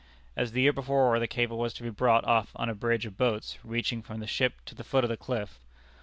As the year before, the cable was to be brought off on a bridge of boats reaching from the ship to the foot of the cliff.